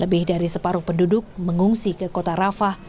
lebih dari separuh penduduk mengungsi ke kota rafah